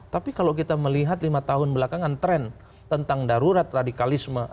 tapi kalau kita melihat lima tahun belakangan tren tentang darurat radikalisme